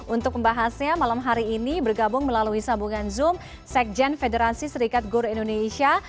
untuk pembahasnya malam hari ini bergabung melalui sabungan zoom sekjen federansi serikat guru indonesia